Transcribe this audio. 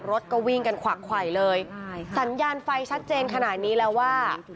รถก็วิ่งกันขวักไขวเลยสัญญาณไฟชัดเจนขนาดนี้แล้วว่า